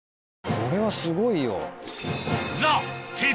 これはすごいよ。